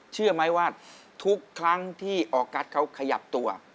เชื่อไหมว่าทุกครั้งที่ออกัสเขาขยับตัว